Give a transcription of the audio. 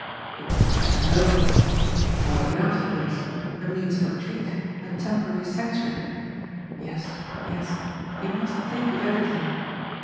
It would be touch and go! What of the afterwards a means of retreat a temporary sanctuary? Yes, yes he must think of everything!